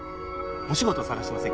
お仕事探してませんか？